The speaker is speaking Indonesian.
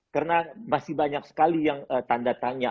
karena masih banyak sekali yang tanda tanya